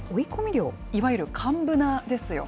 いわゆる寒ぶなですよ。